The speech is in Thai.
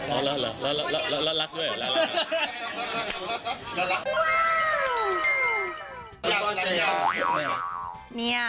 อ้าวรักด้วย